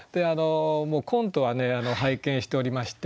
コントはね拝見しておりまして。